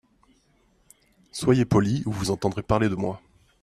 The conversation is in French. Soyez poli ou vous entendrez parler de moi.